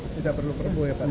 tidak perlu perbu ya pak